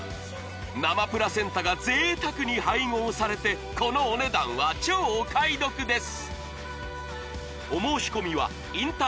生プラセンタが贅沢に配合されてこのお値段は超お買い得です